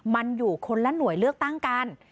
มันอยู่คนละหน่วยเลือกตั้งกัน